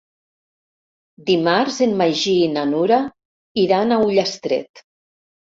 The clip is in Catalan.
Dimarts en Magí i na Nura iran a Ullastret.